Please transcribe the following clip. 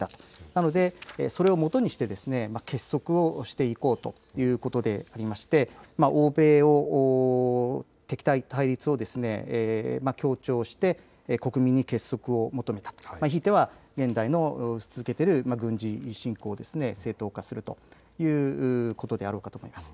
なので、それをもとにして結束をしていこうということでありまして欧米を敵対、対立を強調して国民に結束を求めたひいては現在もし続けている軍事侵攻を正当化するということであろうかと思います。